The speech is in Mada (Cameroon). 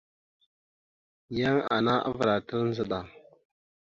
Yan ana avəlatal ndzəɗa.